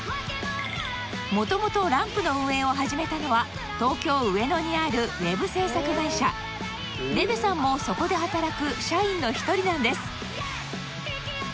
元々ＬＡＭＰの運営を始めたのは東京上野にあるＷｅｂ制作会社ベベさんもそこで働く社員の一人なんです